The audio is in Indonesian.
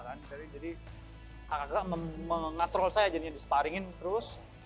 jadi kakak kakak mengatrol saya jadinya di sparingin terus